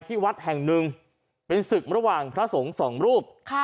ที่วัดแห่งหนึ่งเป็นศึกระหว่างพระสงฆ์สองรูป